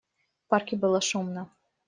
В парке было шумно.